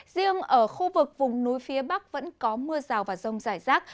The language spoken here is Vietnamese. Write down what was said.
riêng ở khu vực vùng núi phía bắc vẫn có mưa rào và rông rải rác